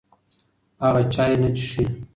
هغه چای نه څښي.